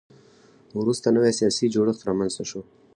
وروسته نوی سیاسي جوړښت رامنځته شو.